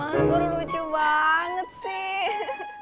mas buru lucu banget sih